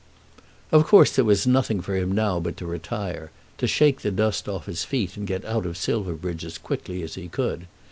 Of course there was nothing for him now but to retire; to shake the dust off his feet and get out of Silverbridge as quickly as he could.